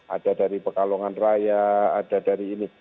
ada dari pekalongan raya ada dari ini